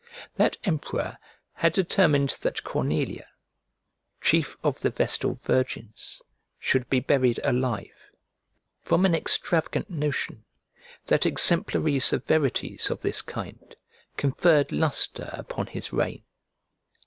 That emperor had determined that Cornelia, chief of the Vestal Virgins, should be buried alive, from an extravagant notion that exemplary severities of this kind conferred lustre upon his reign.